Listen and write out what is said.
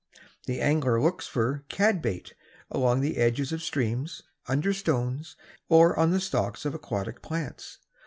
The angler looks for "cad bait" along the edges of streams, under stones, or on the stalks of aquatic plants.